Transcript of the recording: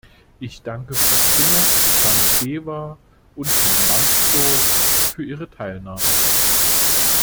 Ich danke Frau Kinnock, Herrn Deva und Herrn Lambsdorff für ihre Teilnahme.